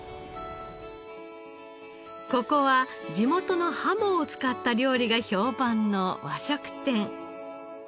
ここは地元のハモを使った料理が評判の和食店。